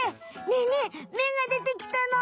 ねえねえめがでてきたの！